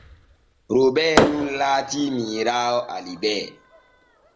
Robee nun laatii miiraawo Alibee.